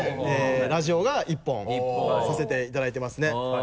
ラジオが１本させていただいてますね。